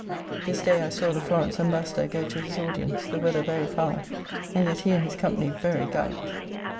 This day I saw the Florence Ambassador go to his audience, the weather very foul, and yet he and his company very gallant.